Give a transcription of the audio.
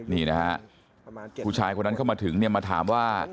นี่นะฮะผู้ชายคนนั้นเข้ามาถึงเนี่ยมาถามว่า